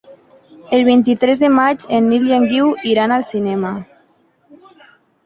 El vint-i-tres de maig en Nil i en Guiu iran al cinema.